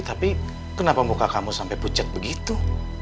tapi kenapa muka kamu sampai pucet begitu